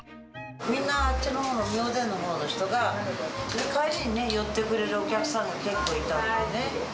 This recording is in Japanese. みんな、あっちの妙典のほうの人が、帰りに寄ってくれるお客さんが結構いたのよね。